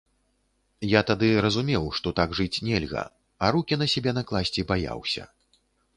Я тады разумеў, што так жыць нельга, а рукі на сябе накласці баяўся.